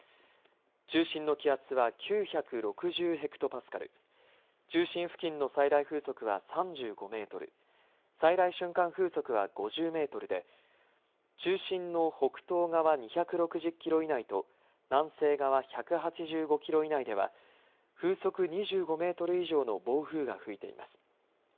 中心の気圧は９６０ヘクトパスカル、中心付近の最大風速は３５メートル、最大瞬間風速は５０メートルで中心の北東側２６０キロ以内と南西側１８５キロ以内では風速２５メートル以上の暴風が吹いています。